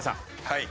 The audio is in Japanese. はい。